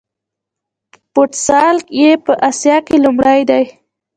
فوټسال یې په اسیا کې لومړی دی.